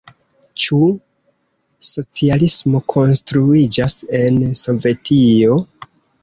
Ĉu socialismo konstruiĝas en Sovetio?